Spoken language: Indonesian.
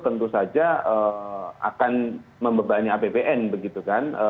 tentu saja akan membebani apbn begitu kan